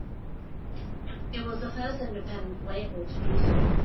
It was the first independent label to do so.